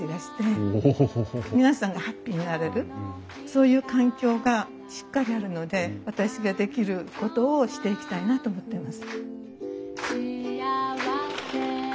皆さんがハッピーになれるそういう環境がしっかりあるので私ができることをしていきたいなと思ってます。